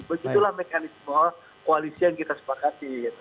begitulah mekanisme koalisi yang kita sepakati